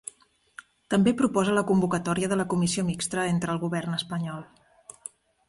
També proposa la convocatòria de la comissió mixta entre el govern espanyol.